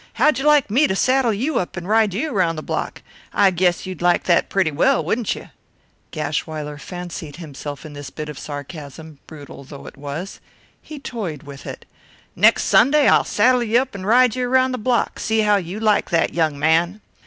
How'd you like me to saddle you up and ride you round the block? I guess you'd like that pretty well, wouldn't you?" Gashwiler fancied himself in this bit of sarcasm, brutal though it was. He toyed with it. "Next Sunday I'll saddle you up and ride you round the block see how you like that, young man."